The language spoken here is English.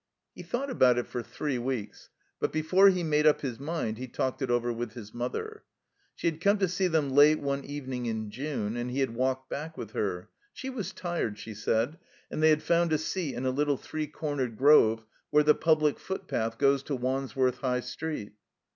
He thought about it for three weeks, but before he made up his mind he talked it over with his mother. She had come to see them late one evening in Jtme, and he had walked back with her. She was tired, she said, and they had found a seat in a little three cornered grove where the public footpath goes to Wandsworth High Street.